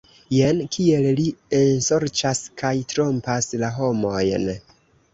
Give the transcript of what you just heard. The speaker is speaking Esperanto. Jen kiel li ensorĉas kaj trompas la homojn!